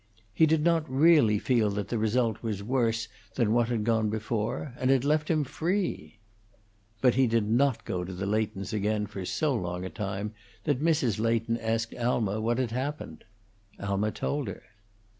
He did not really feel that the result was worse than what had gone before, and it left him free. But he did not go to the Leightons again for so long a time that Mrs. Leighton asked Alma what had happened. Alma told her.